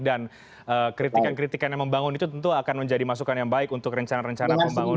dan kritikan kritikan yang membangun itu tentu akan menjadi masukan yang baik untuk rencana rencana pembangunan